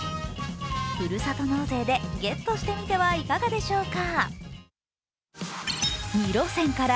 ふるさと納税でゲットしてみてはいかがでしょうか。